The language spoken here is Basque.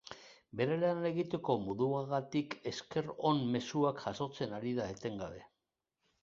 Bere lan egiteko moduagatik esker on mezuak jasotzen ari da etengabe.